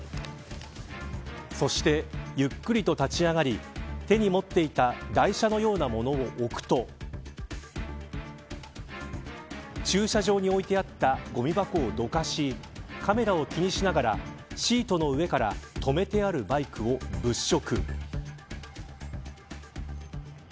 そしてゆっくりと立ち上がり手に持っていた台車のようなものを置くと駐車場に置いてあったごみ箱をどかしカメラを気にしながらシートの上から止めてあるバイクを物色。